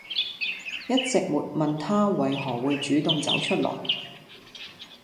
一直沒問他為何會主動走出來